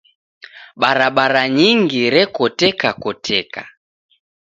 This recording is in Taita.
Barabara nyingi rekotekakoteka.